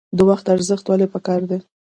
د وخت ارزښت ولې پکار دی؟